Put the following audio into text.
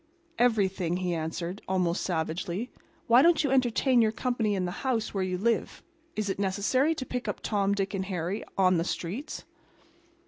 "Everything," he answered, almost savagely. "Why don't you entertain your company in the house where you live? Is it necessary to pick up Tom, Dick and Harry on the streets?"